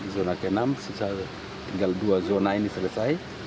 zona ke enam tinggal dua zona ini selesai